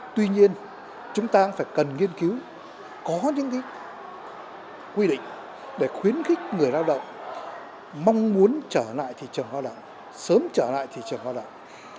tuy nhiên chúng ta cũng phải cần nghiên cứu có những quy định để khuyến khích người lao động mong muốn trở lại thị trường lao động sớm trở lại thị trường lao động